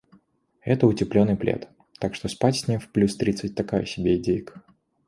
Это утеплённый плед, так что спать с ним в плюс тридцать такая себе идейка.